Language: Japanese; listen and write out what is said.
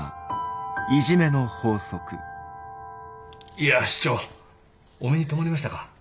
いや市長お目に留まりましたか。